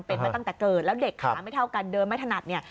เป็นมาตั้งแต่เกิดแล้วเด็กขาไม่เท่ากันเดินไม่ถนัดเนี่ย